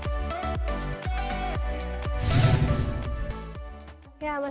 jadi sekali lagi